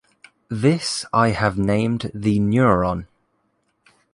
This I have named the neuron.